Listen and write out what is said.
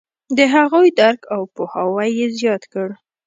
د هغوی درک او پوهاوی یې زیات کړ.